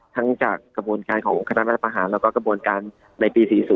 จากกระบวนการของคณะรัฐประหารแล้วก็กระบวนการในปี๔๐